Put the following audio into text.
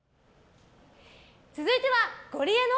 続いてはゴリエの！